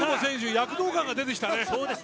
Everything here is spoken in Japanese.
躍動感が出てきたね。